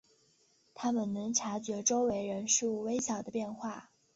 他们能察觉周围人事物微小的变化。